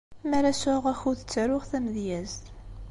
Mi ara sɛuɣ akud, ttaruɣ tamedyazt.